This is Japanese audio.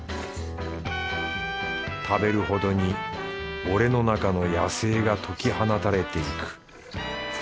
食べるほどに俺の中の野生が解き放たれていく。